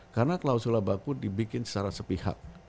karena klausula baku dibikin secara sepihak